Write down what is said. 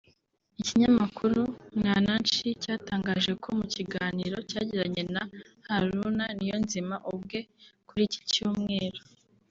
Ikinyamakuru Mwananchi cyatangaje ko mu kiganiro cyagiranye na Haruna Niyonzima ubwe kuri iki Cyumweru